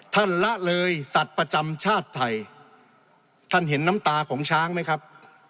ละเลยสัตว์ประจำชาติไทยท่านเห็นน้ำตาของช้างไหมครับ